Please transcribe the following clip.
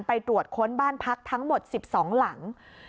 ตรวจค้นบ้านพักทั้งหมด๑๒หลัง